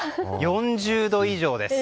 ４０度以上です。